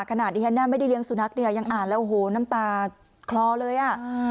ขนาดที่ฉันน่ะไม่ได้เลี้ยสุนัขเนี่ยยังอ่านแล้วโอ้โหน้ำตาคลอเลยอ่ะ